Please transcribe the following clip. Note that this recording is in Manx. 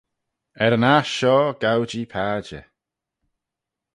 Er yn aght shoh gow-jee padjer.